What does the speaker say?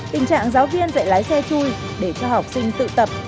tình trạng giáo viên dạy lái xe chui để cho học sinh tự tập